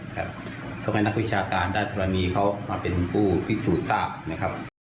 ทำให้นักวิชาการด้านธรณีเขามาเป็นผู้พิสูจน์ทราบนะครับ